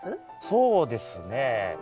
そうですね。